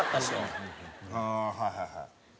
ああはいはいはい。